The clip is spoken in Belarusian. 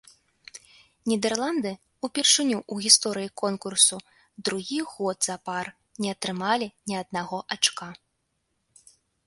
Нідэрланды ўпершыню ў гісторыі конкурсу другі год запар не атрымалі ні аднаго ачка.